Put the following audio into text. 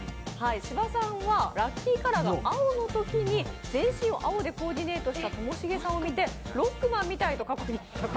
芝さんは、ラッキーカラーが青のときに全身を青でコーディネートされたともしげさんをみてロックマンみたいと。